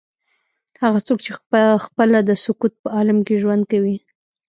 هغه څوک چې پخپله د سکوت په عالم کې ژوند کوي.